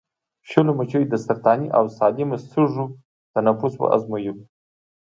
شلو مچیو د سرطاني او سالمو سږو تنفس وازمویلو.